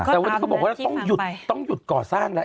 แต่วันนี้เขาบอกว่าต้องหยุดก่อสร้างแล้ว